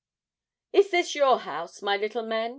'Is this your house, my little men?'